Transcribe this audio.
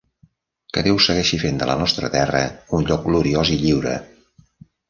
Que Déu segueixi fent de la nostra terra un lloc gloriós i lliure!